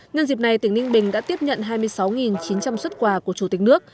nhân dịp này tỉnh ninh bình đã tiếp nhận hai mươi sáu chín trăm linh xuất quà của chủ tịch nước